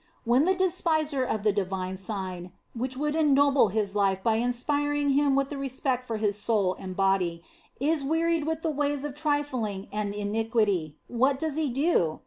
When the despiser of the Divine Sign, which would ennoble his life by inspiring him with respect for his soul and body, is wearied with the ways of trifling and iniquity, what does he do